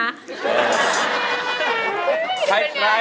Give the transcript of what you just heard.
อะไรไรสิ